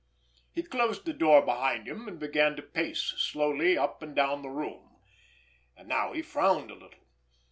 He closed the door behind him, and began to pace slowly up and down the room. And now he frowned a little.